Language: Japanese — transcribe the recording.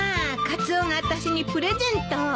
カツオがあたしにプレゼントを？